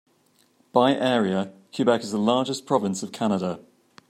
By area, Quebec is the largest province of Canada.